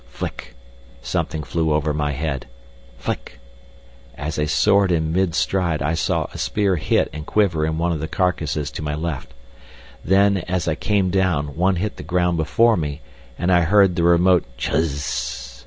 Flick! something flew over my head. Flick! As I soared in mid stride I saw a spear hit and quiver in one of the carcasses to my left. Then, as I came down, one hit the ground before me, and I heard the remote chuzz!